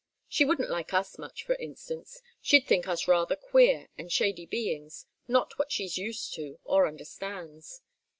She wouldn't like us much, for instance; she'd think us rather queer and shady beings, not what she's used to or understands.